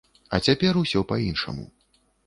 А цяпер усё па-іншаму.